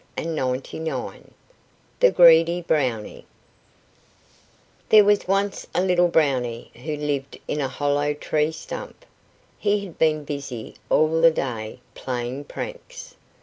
THE GREEDY BROWNIE There was once a little Brownie who lived in a hollow tree stump. He had been busy all the day playing pranks.